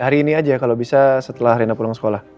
hari ini aja kalau bisa setelah rena pulang sekolah